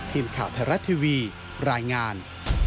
สวัสดีครับ